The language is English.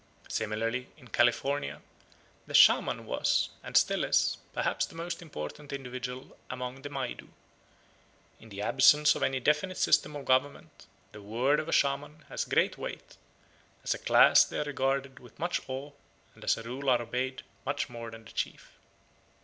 Similarly in California "the shaman was, and still is, perhaps the most important individual among the Maidu. In the absence of any definite system of government, the word of a shaman has great weight: as a class they are regarded with much awe, and as a rule are obeyed much more than the chief."